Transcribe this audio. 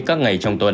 các ngày trong tuần